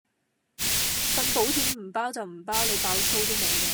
份保險唔包就唔包，你爆粗都冇用